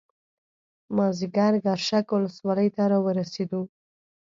مازیګر ګرشک ولسوالۍ ته راورسېدو.